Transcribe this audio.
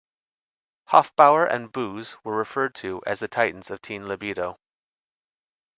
Hofbauer and Boos were referred to as the 'Titans of Teen Libido'.